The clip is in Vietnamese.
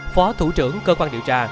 phó thủ trưởng cơ quan điều tra